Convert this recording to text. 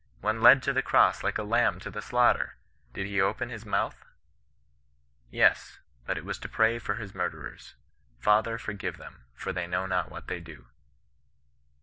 When led to the cross like a lamb to the slaughter, did he open his mouth 1 Yes ; but it was to pray for his murderers : FatheTy forgive them; for they know not what they do?